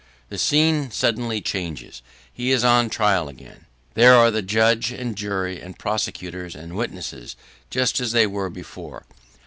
The scene suddenly changes. He is on his trial again: there are the judge and jury, and prosecutors, and witnesses, just as they were before.